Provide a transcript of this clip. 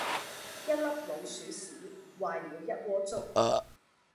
一粒老鼠屎，壞了一鍋粥